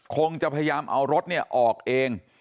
คงจะพยายามเอารถออกเอง